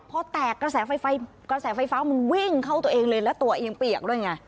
พอแตกกระแสไฟกระแสไฟฟ้ามันวิ่งเข้าตัวเองเลยแล้วตัวเองเปียกด้วยไง